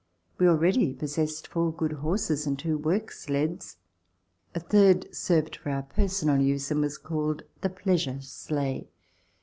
We already possessed four good horses and two work sleds. A third served for our personal use and was called the pleasure sleigh.